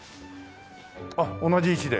あっ同じ位置で。